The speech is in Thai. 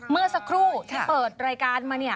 เมื่อสักครู่ที่เปิดรายการมาเนี่ย